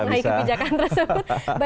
bagaimana kebijakan tersebut